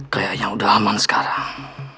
kayaknya udah aman sekarang